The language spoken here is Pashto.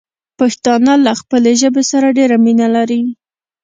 پښتانه له خپلې ژبې سره ډېره مينه لري.